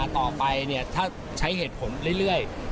ต่อไปถ้าใช้เหตุผลเรื่อย